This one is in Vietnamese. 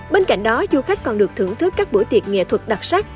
bên cạnh đó du khách còn được thưởng thức các buổi tiệc nghệ thuật đặc sắc